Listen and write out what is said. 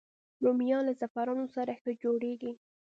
رومیان له زعفرانو سره ښه جوړېږي